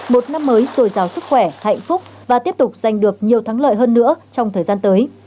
một năm mới dồi dào sức khỏe hạnh phúc và tiếp tục giành được nhiều thắng lợi hơn nữa trong thời gian tới